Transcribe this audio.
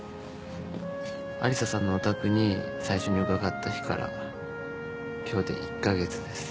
アリサさんのお宅に最初に伺った日から今日で１カ月です。